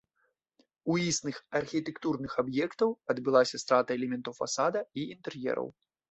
У існых архітэктурных аб'ектаў адбылася страта элементаў фасада і інтэр'ераў.